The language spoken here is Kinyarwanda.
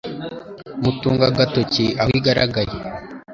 mutunga agatoki aho igaragaye.